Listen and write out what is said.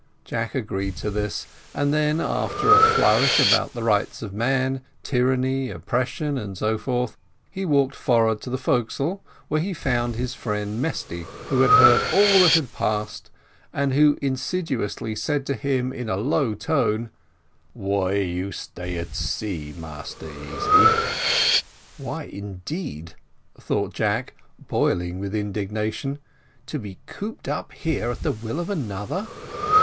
Jack agreed to this, and then, after a flourish about the rights of man, tyranny, oppression, and so forth, he walked forward to the forecastle, where he found his friend Mesty, who had heard all that had passed, and who insidiously said to him in a low tone: "Why you stay at sea, Massa Easy?" "Why, indeed," thought Jack, boiling with indignation, "to be cooped up here at the will of another?